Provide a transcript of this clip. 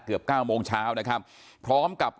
เกือบเก้าโมงเช้านะครับพร้อมกับ